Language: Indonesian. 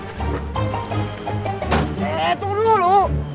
eh tunggu dulu